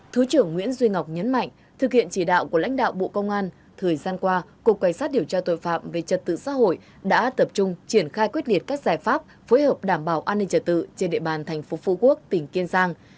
thứ trưởng nguyễn duy ngọc nhấn mạnh thực hiện chỉ đạo của lãnh đạo bộ công an thời gian qua cục cảnh sát điều tra tội phạm về trật tự xã hội đã tập trung triển khai quyết liệt các giải pháp phối hợp đảm bảo an ninh trả tự trên địa bàn thành phố phú quốc tỉnh kiên giang